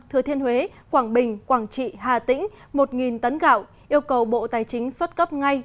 thừa thiên huế quảng bình quảng trị hà tĩnh một tấn gạo yêu cầu bộ tài chính xuất cấp ngay